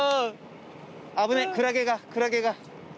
危ねぇクラゲがクラゲが。